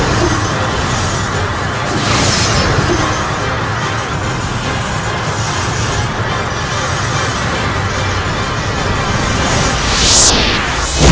gusti kenapa gusti ada di sini